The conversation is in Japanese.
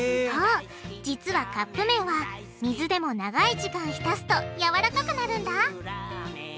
そう実はカップめんは水でも長い時間ひたすとやわらかくなるんだ。